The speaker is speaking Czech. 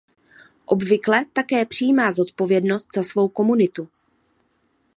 Obvykle také přijímá zodpovědnost za svou komunitu.